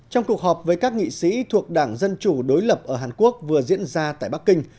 trong cuộc họp với các nghị sĩ thuộc đảng dân chủ đối lập ở hàn quốc vừa diễn ra tại bắc kinh